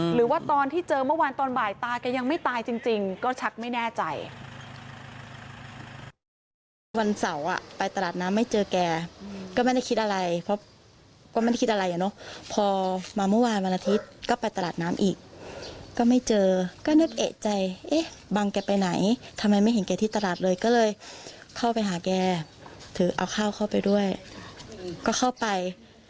หรือว่าตอนที่เจอเมื่อวานตอนบ่ายตาแกยังไม่ตายจริงก็ชักไม่แน่ใจ